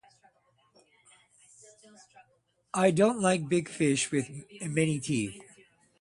I don't like big fish with many teeth.